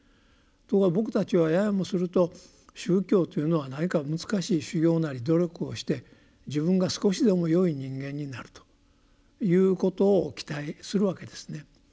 ところが僕たちはややもすると宗教というのは何か難しい修行なり努力をして自分が少しでもよい人間になるということを期待するわけですね。